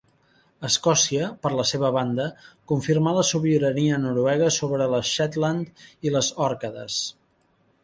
Escòcia, per la seva banda, confirmà la sobirania noruega sobre les Shetland i les Òrcades.